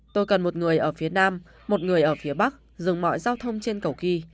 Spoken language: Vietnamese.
tôi cần một người ở phía nam một người ở phía bắc dừng mọi giao thông trên cầu kỳ